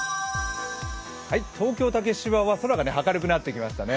東京・竹芝は空が明るくなってきましたね。